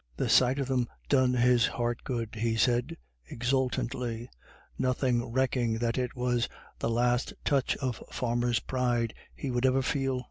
The sight of them "done his heart good," he said, exultantly, nothing recking that it was the last touch of farmer's pride he would ever feel.